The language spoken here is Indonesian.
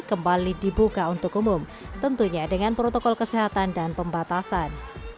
kembali dibuka untuk umum tentunya dengan protokol kesehatan dan pembatasan